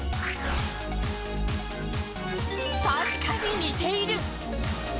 確かに似ている。